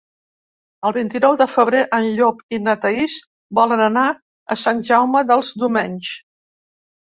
El vint-i-nou de febrer en Llop i na Thaís volen anar a Sant Jaume dels Domenys.